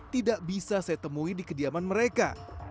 tidak bisa saya temui di kediaman mereka